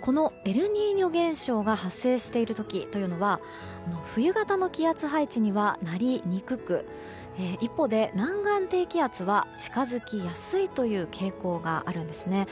このエルニーニョ現象が発生している時というのは冬型の気圧配置にはなりにくく一方で、南岸低気圧は近づきやすいという傾向があるんです。